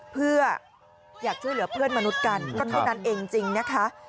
เพื่ออยากช่วยเหลือเพื่อนมนุษย์กันก็เท่านั้นเองจริงนะคะ